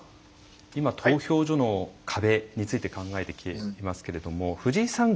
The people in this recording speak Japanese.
今、投票所の壁について考えてきていますけれども藤井さん